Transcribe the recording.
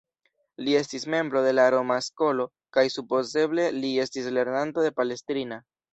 Li estis membro de la Roma Skolo, kaj supozeble li estis lernanto de Palestrina.